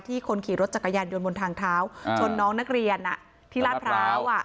ที่คนขี่รถจักรยานโดนบนทางเท้าชนน้องนักเรียนอ่ะที่รัดพร้าวอ่ะ